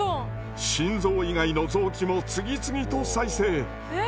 心臓以外の臓器も次々と再生。